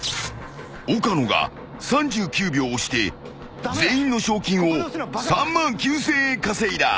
［岡野が３９秒押して全員の賞金を３万９，０００円稼いだ］